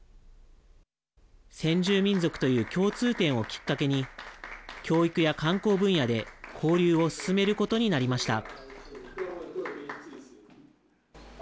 先住民族という共通点をきっかけに教育や観光分野で交流を進めることになりました。